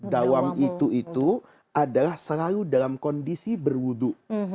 dawam itu adalah selalu dalam kondisi berwudhu